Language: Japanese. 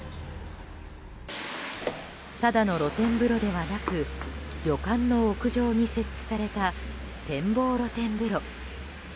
ただの露天風呂ではなく旅館の屋上に設置された展望露天風呂。